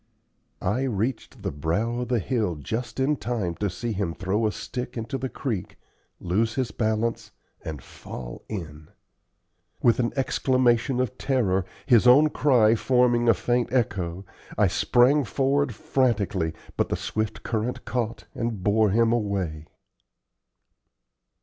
I reached the brow of the hill just in time to see him throw a stick into the creek, lose his balance, and fall in. With an exclamation of terror, his own cry forming a faint echo, I sprang forward frantically, but the swift current caught and bore him away.